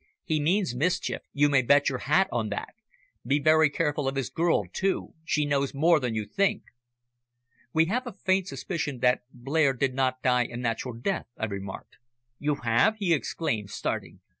He means mischief, you may bet your hat on that! Be very careful of his girl, too, she knows more than you think." "We have a faint suspicion that Blair did not die a natural death," I remarked. "You have?" he exclaimed, starting.